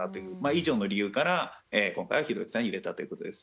以上の理由から今回はひろゆきさんに入れたという事です。